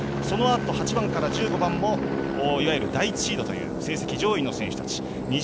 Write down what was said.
そのあと、８番から１５番もいわゆる第１シードという成績上位の選手たちです。